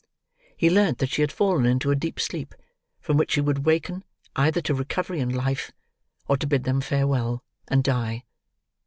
He learnt that she had fallen into a deep sleep, from which she would waken, either to recovery and life, or to bid them farewell, and die.